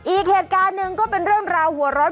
อีกเหตุการณ์หนึ่งก็เป็นเรื่องราวหัวร้อน